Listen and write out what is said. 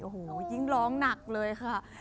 โอ้โหยิ่งร้องหนักเลยค่ะ